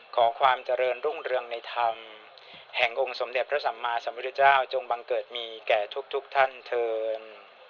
ความเจริญรุ่งเรืองในธรรมแห่งองค์สมเด็จพระสัมมาสัมพุทธเจ้าจงบังเกิดมีแก่ทุกท่านเถิน